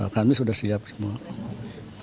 kami sudah siap semua